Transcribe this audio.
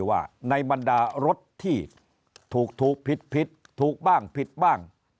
ว่าในบรรดารถที่ถูกผิดผิดถูกบ้างผิดบ้าง